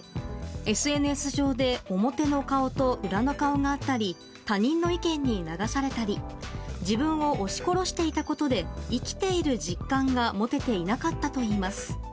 ＳＮＳ上で表の顔と裏の顔があったり他人の意見に流されたり自分を押し殺していたことで生きている実感が持てていなかったといいます。